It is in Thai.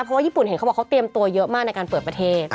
เพราะว่าญี่ปุ่นเห็นเขาบอกเขาเตรียมตัวเยอะมากในการเปิดประเทศ